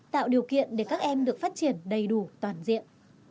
tạo điều kiện để các em được phát triển đầy đủ toàn diện